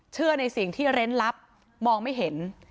เชื่อในสิ่งที่เล่นลับมองไม่เห็น